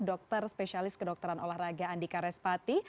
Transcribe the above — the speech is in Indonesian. dokter spesialis kedokteran olahraga andika respati